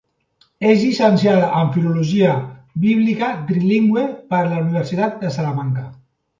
És llicenciada en Filologia Bíblica Trilingüe per la Universitat de Salamanca.